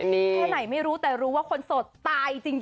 แค่ไหนไม่รู้แต่รู้ว่าคนโสดตายจริง